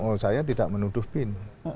oh saya tidak menuduh bin